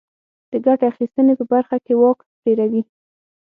د ګټې اخیستنې په برخه کې واک ډېروي.